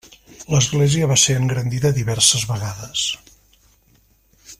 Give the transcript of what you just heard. L'església va ser engrandida diverses vegades.